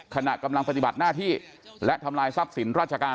ขณะกำลังปฏิบัติหน้าที่และทำลายทรัพย์สินราชการ